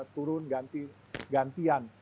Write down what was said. turun ganti gantian